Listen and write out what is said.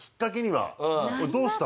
どうした？